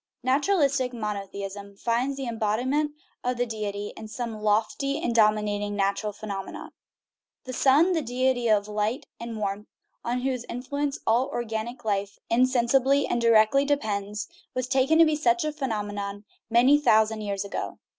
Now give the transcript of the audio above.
Naturalistic monotheism finds the embodiment of the deity in some lofty and dominating natural phenomenon. The sun, the deity of light and warmth, on whose influence all organic life insensibly and directly depends, was taken to be such a phenomenon many thousand years ago.